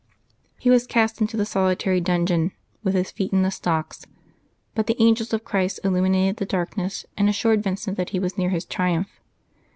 He was cast into a solitary dungeon, with his feet in the stocks; but the angels of Christ illuminated the darkness, and assured Vincent that he was near his triumph.